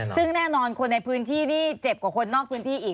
ซึ่งแน่นอนคนในพื้นที่นี่เจ็บกว่าคนนอกพื้นที่อีก